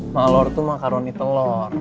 malor tuh makaroni telur